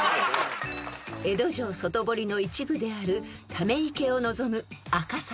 ［江戸城外堀の一部であるため池を望む赤坂］